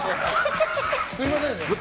すみませんね。